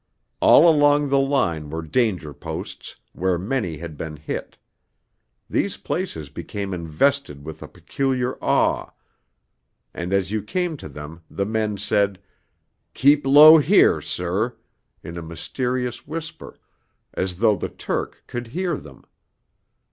All along the line were danger posts where many had been hit; these places became invested with a peculiar awe, and as you came to them the men said, 'Keep low here, sir,' in a mysterious whisper, as though the Turk could hear them.